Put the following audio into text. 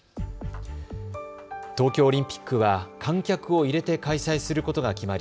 東京オリンピックは観客を入れて開催することが決まり